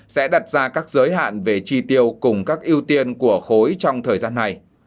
sẽ đặt ra các giới hạn về tri tiêu cùng các ưu tiên của khối trong thời gian này